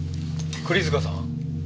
栗塚さん？